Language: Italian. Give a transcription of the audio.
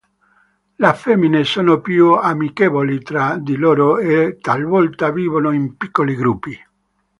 Le femmine sono più amichevoli tra di loro e talvolta vivono in piccoli gruppi.